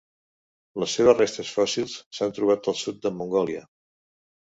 Les seves restes fòssils s'han trobat al sud de Mongòlia.